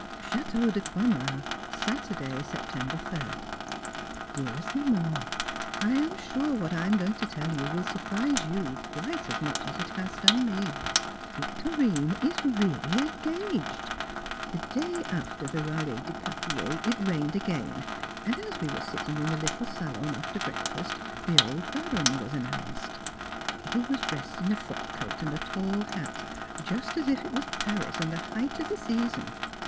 Château de Croixmare, Saturday, September 3rd. [Sidenote: In Due Form] Dearest Mamma, I am sure what I am going to tell you will surprise you quite as much as it has done me. Victorine is really engaged! The day after the Ralli de Papier it rained again, and as we were sitting in the little salon after breakfast the old Baron was announced. He was dressed in a frock coat and a tall hat, just as if it was Paris and the height of the season.